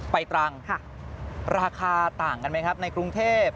ตรังราคาต่างกันไหมครับในกรุงเทพ